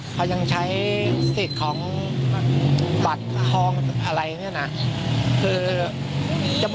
เขายังใช้สิทธิ์ของบัตรทองอะไรเนี่ยนะ